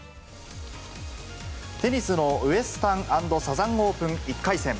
テニスのウエスタン＆サザン・オープン１回戦。